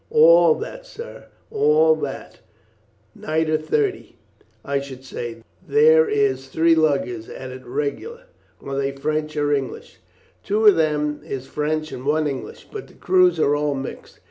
"All that, sir, all that; nigher thirty, I should say. There is three luggers at it reg'lar." "Are they French or English?" "Two of them is French and one English, but the crews are all mixed.